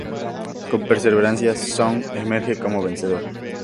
Con perseverancia, Zhong emerge como vencedor.